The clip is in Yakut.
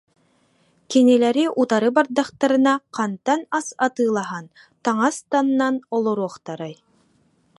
Кинилэри утары бардахтарына хантан ас атыылаһан, таҥас таҥнан олоруохтарай